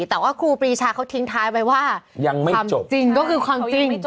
แต่ว่าครูปีชาเขาทิ้งท้ายไปว่าความจริงก็คือความจริง